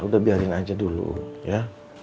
udah biarin aja dulu ya